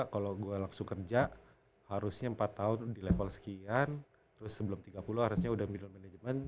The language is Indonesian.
kalau gue langsung kerja harusnya empat tahun di level sekian terus sebelum tiga puluh harusnya udah middle management